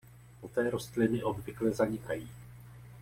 Poté rostliny obvykle zanikají.